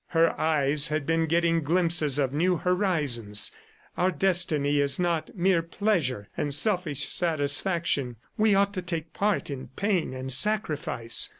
Her eyes had been getting glimpses of new horizons; our destiny is not mere pleasure and selfish satisfaction; we ought to take our part in pain and sacrifice.